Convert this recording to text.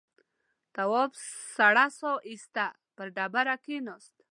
تواب سړه سا ایسته پر ډبره کېناست.